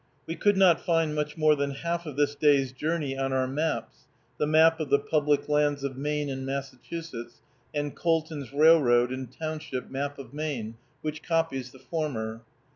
We could not find much more than half of this day's journey on our maps (the "Map of the Public Lands of Maine and Massachusetts," and "Colton's Railroad and Township Map of Maine," which copies the former).